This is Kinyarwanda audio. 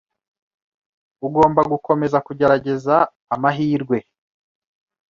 Ugomba gukomeza kugerageza amahirwe